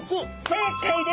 正解です。